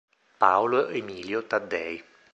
Paolo Emilio Taddei